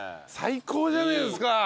最高じゃないですか。